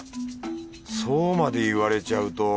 そうまで言われちゃうと